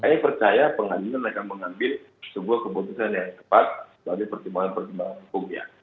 saya percaya pengadilan akan mengambil sebuah keputusan yang tepat sebagai pertimbangan pertimbangan hukumnya